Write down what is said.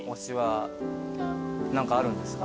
何かあるんですか？